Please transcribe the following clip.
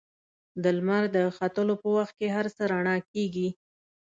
د لمر د ختلو په وخت کې هر څه رڼا کېږي.